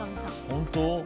本当？